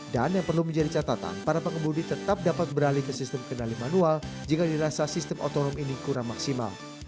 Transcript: dan yang perlu menjadi catatan para pengemudi tetap dapat beralih ke sistem kendali manual jika dirasa sistem otonom ini kurang maksimal